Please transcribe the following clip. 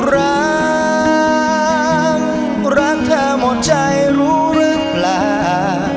รักรักเธอหมดใจรู้หรือเปล่า